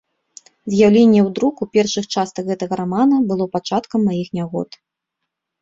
З'яўленне ў друку першых частак гэтага рамана было пачаткам маіх нягод.